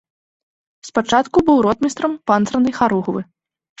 Спачатку быў ротмістрам панцырнай харугвы.